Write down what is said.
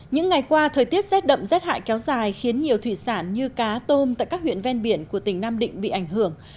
những ngày qua thời tiết rét đậm rét hại kéo dài khiến nhiều thủy sản như cá tôm tại các huyện ven biển của tỉnh nam định bị ảnh hưởng